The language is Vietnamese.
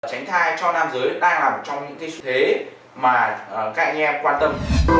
tránh thai cho nam giới đang là một trong những cái thế mà các anh em quan tâm